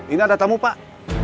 ini ada tamu pak